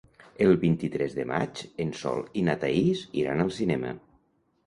El vint-i-tres de maig en Sol i na Thaís iran al cinema.